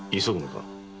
急ぐのか？